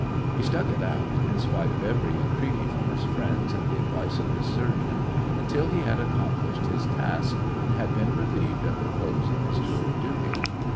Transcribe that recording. He stuck it out, in spite of every entreaty from his friends and the advice of his surgeon, until he had accomplished his task and had been relieved at the close of his tour of duty.